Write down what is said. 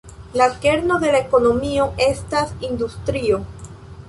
La kerno de la ekonomio estas industrio.